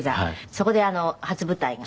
そこで初舞台が。